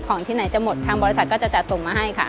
ที่ไหนจะหมดทางบริษัทก็จะจัดส่งมาให้ค่ะ